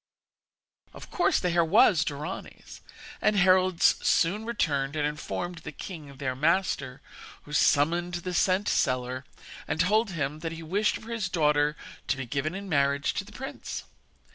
Of course the hair was Dorani's, and heralds soon returned and informed the king, their master, who summoned the scent seller, and told him that he wished for his daughter to be given in marriage to the prince.